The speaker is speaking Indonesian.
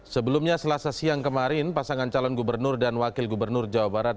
sebelumnya selasa siang kemarin pasangan calon gubernur dan wakil gubernur jawa barat